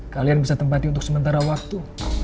kalian bisa tempati untuk sementara waktu